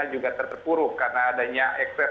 juga terpuruk karena adanya ekses